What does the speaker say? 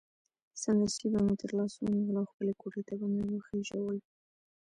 سمدستي به مې تر لاس ونیول او خپلې کوټې ته به مې وخېژول.